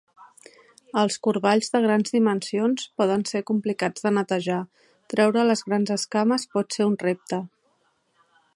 Els corballs de grans dimensions poden ser complicats de netejar; treure les grans escames pot ser un repte.